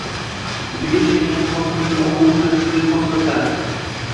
Uyga kelganimda xotinim bilan o’g’lim tarashaday qotib yotardi.